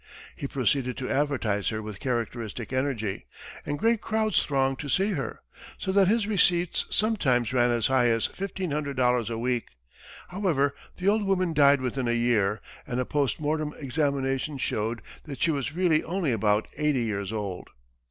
He proceeded to advertise her with characteristic energy, and great crowds thronged to see her, so that his receipts sometimes ran as high as $1,500 a week. However, the old woman died within a year, and a post mortem examination showed that she was really only about eighty years old.